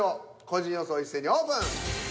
個人予想一斉にオープン。